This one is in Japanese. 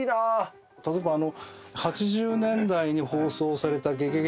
例えばあの。